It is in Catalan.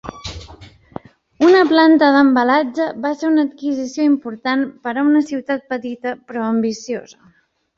Una planta d'embalatge va ser una adquisició important per a una ciutat petita, però ambiciosa.